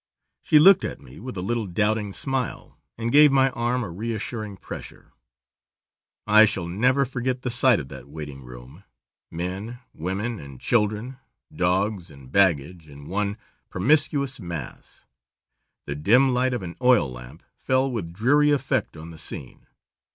She looked at me with a little doubting smile, and gave my arm a reassuring pressure. I shall never forget the sight of that waiting room. Men, women, and children, dogs and baggage, in one promiscuous mass. The dim light of an oil lamp fell with dreary effect on the scene.